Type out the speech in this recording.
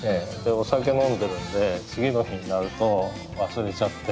お酒飲んでるんで次の日になると忘れちゃって。